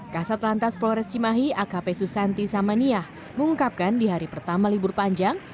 kasat lantas polres cimahi akp susanti samaniah mengungkapkan di hari pertama libur panjang